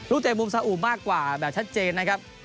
เตะมุมสาอุมากกว่าแบบชัดเจนนะครับ